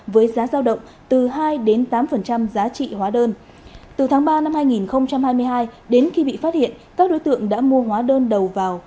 với giá giao động từ hai tám giá trị hóa đơn từ tháng ba năm hai nghìn hai mươi hai đến khi bị phát hiện các đối tượng đã mua hóa đơn đầu vào